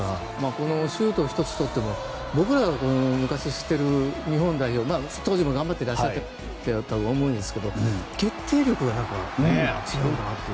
このシュート１つとっても僕らが昔、知ってる日本代表、当時も頑張っていらっしゃったと思うんですけど決定力が違うなっていう。